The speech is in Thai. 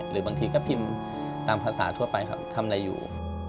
หรือบางทีก็พิมพ์ตามภาษาทั่วไปครับทำอะไรอยู่